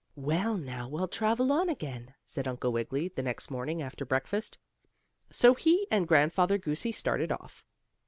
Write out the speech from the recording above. "Well, now we'll travel on again," said Uncle Wiggily, the next morning after breakfast. So he and Grandfather Goosey started off.